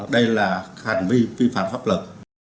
đây là hành vi vi phạm pháp luật